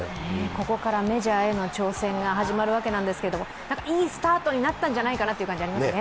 ここからメジャーへの挑戦が始まるわけなんですけどいいスタートになったんじゃないかなという感じがありますね。